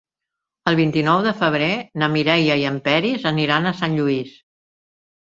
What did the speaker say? El vint-i-nou de febrer na Mireia i en Peris aniran a Sant Lluís.